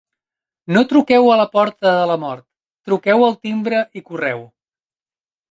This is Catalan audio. No truqueu a la porta de la mort, truqueu al timbre i correu.